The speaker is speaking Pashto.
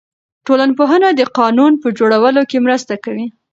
ټولنپوهنه د قانون په جوړولو کې مرسته کوي.